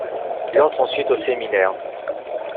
Il entre ensuite au séminaire.